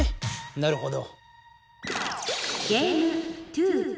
なるほど。